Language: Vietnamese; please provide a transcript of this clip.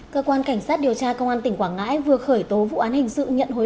cơ quan cảnh sát điều tra công an tỉnh quảng ngãi vừa khởi tố vụ án hình sự nhận hối